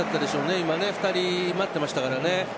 今２人、前に入っていましたからね。